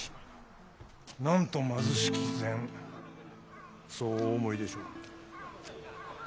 なんと貧しき膳そうお思いでしょう。